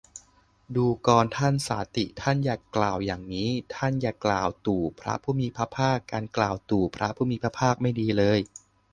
ดูกรท่านสาติ ท่านอย่ากล่าวอย่างนี้ ท่านอย่ากล่าวตู่พระผู้มีพระภาค การกล่าวตู่พระผู้มีพระภาค ไม่ดีเลย